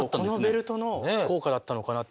ベルトの効果だったのかなって。